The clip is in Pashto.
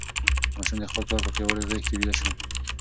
ماشوم د خپل پلار په پیاوړې غېږ کې ویده شو.